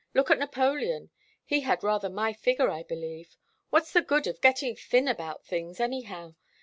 Look at Napoleon. He had rather my figure, I believe. What's the good of getting thin about things, anyhow?